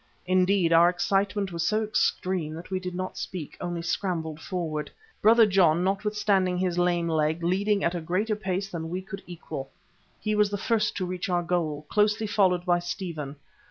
Indeed, our excitement was so extreme that we did not speak, only scrambled forward, Brother John, notwithstanding his lame leg, leading at a greater pace than we could equal. He was the first to reach our goal, closely followed by Stephen.